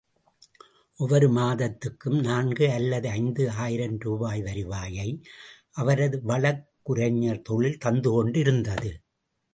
ஒவ்வொரு மாதத்துக்கும் நான்கு அல்லது ஐந்து ஆயிரம் ரூபாய் வருவாயை அவரது வழக்குரைஞர் தொழில் தந்து கொண்டிருந்தது.